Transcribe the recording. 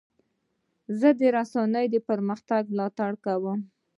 زه د رسنیو د پرمختګ ملاتړ کوم.